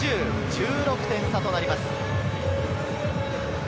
１６点差となります。